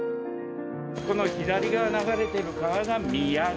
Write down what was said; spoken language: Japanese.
この左側流れてる川が宮川。